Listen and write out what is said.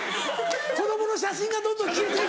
子供の写真がどんどん消えて行く。